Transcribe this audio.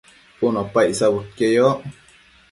cun opa icsabudquieyoc